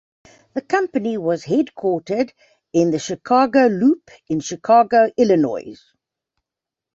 The company was headquartered in the Chicago Loop in Chicago, Illinois.